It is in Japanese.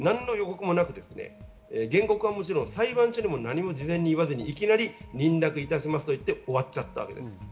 何の予告もなく原告はもちろん、裁判所にも事前に何も言わずに認諾いたしますと言って終わっちゃったわけです。